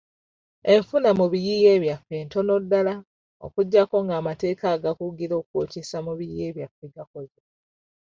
Enfuna mu biyiiye byaffe ntono ddala okuggyako ng'amateeka agakugira okwokyesa mu biyiiye byaffe gakoze.